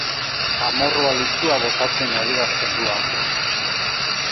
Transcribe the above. Amorrua listua botatzen adierazten du haurrak.